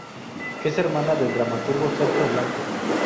Es hermana del dramaturgo Sergio Blanco.